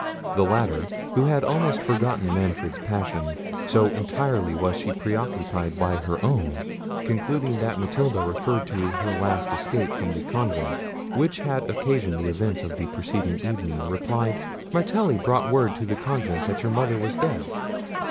The latter, who had almost forgotten Manfred's passion, so entirely was she occupied by her own, concluding that Matilda referred to her last escape from the convent, which had occasioned the events of the preceding evening, replied— "Martelli brought word to the convent that your mother was dead."